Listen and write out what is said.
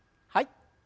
はい。